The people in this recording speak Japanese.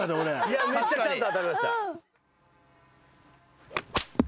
いやめっちゃちゃんと当たりました。